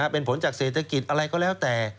เป็นผลจากเศรษฐกิจอะไรก็แล้วแต่